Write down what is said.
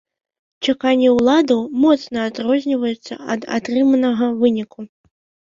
Чаканні уладаў моцна адрозніваюцца ад атрыманага выніку.